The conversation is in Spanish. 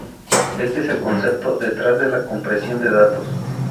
Este es el concepto detrás de la compresión de datos.